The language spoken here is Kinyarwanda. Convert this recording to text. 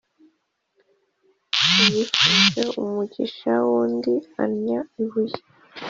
Uwifuje umugisha w’undi annya ibuye.